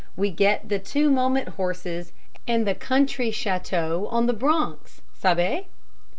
We get the two moment horses and the country châteaux on the Bronx. Sabe?"